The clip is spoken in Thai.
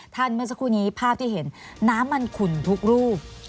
เมื่อสักครู่นี้ภาพที่เห็นน้ำมันขุ่นทุกรูป